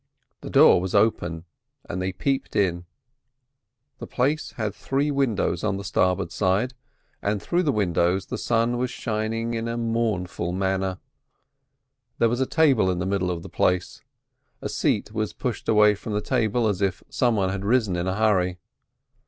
The door was open, and they peeped in. The place had three windows on the starboard side, and through the windows the sun was shining in a mournful manner. There was a table in the middle of the place. A seat was pushed away from the table as if some one had risen in a hurry.